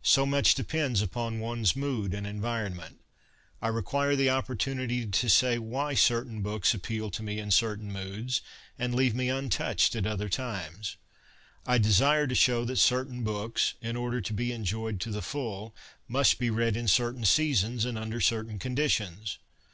So much depends upon one's mood and environment. I require the opportunity to say why certain books appeal to me in certain moods and leave me un touched at other times. I desire to show that certain books, in order to be enjoyed to the full, must be read in certain seasons and under certain conditions.